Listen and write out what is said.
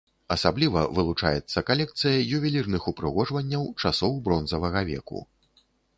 Асабліва вылучаецца калекцыя ювелірных упрыгожванняў часоў бронзавага веку.